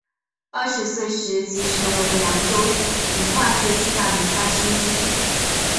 二十岁时即成为扬州评话界四大名家之一。